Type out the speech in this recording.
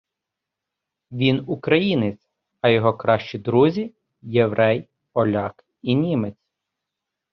Він українець, а його кращі друзі – єврей, поляк і німець.